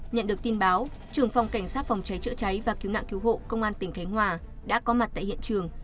nhận được tin báo trưởng phòng cảnh sát phòng cháy chữa cháy và cứu nạn cứu hộ công an tỉnh khánh hòa đã có mặt tại hiện trường